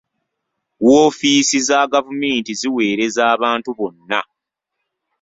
Woofiisi za gavumenti ziweereza abantu bonna.